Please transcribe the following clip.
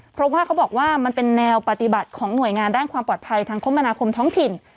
เพราะว่าเขาบอกว่ามันเป็นแนวปฏิบัติของหน่วยงานด้านความปลอดภัยทางคมนาคมท้องถิ่น